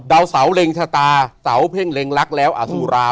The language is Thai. ดาวเสาเล็งชะตาเสาเพ่งเล็งรักแล้วอสุรา